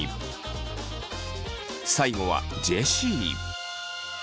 最後はジェシー。